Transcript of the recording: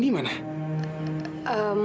ininya nggak ikut kak